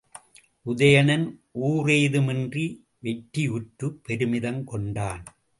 உதயணன் ஊறேதுமின்றி வெற்றியுற்ற பெருமிதம் கொண்டான்.